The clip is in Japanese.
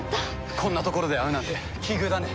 こんな所で会うなんて奇遇だね。